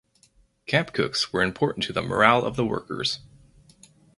Camp cooks were important to the morale of the workers.